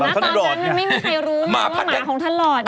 ตอนนั้นมันไม่มีใครรู้มาว่าหมาของท่านหลอด